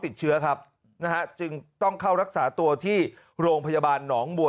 ติดเชื้อครับนะฮะจึงต้องเข้ารักษาตัวที่โรงพยาบาลหนองบัว